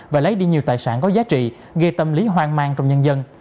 và lấy đi nhiều tài sản có giá trị gây tâm lý hoang mang trong nhân dân